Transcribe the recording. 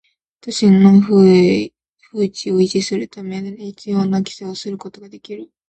都市の風致を維持するため必要な規制をすることができる